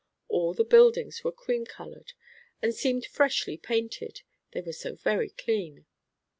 All the buildings were cream colored, and seemed freshly painted, they were so very clean.